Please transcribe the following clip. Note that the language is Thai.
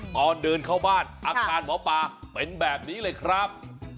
ตอนเดินเข้าบ้านอาการหมอปลาเป็นแบบนี้เลยครับ